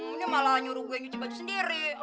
ini malah nyuruh gue nyuci baju sendiri